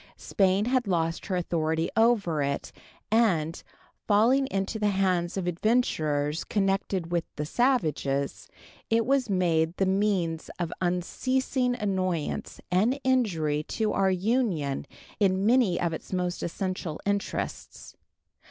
Spain had lost her authority over it, and, falling into the hands of adventurers connected with the savages, it was made the means of unceasing annoyance and injury to our Union in many of its most essential interests.